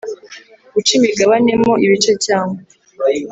Guca imigabane mo ibice cyangwa